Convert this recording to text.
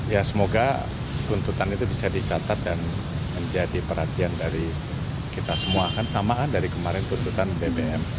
ya semoga tuntutan itu bisa dicatat dan menjadi perhatian dari kita semua kan sama kan dari kemarin tuntutan bbm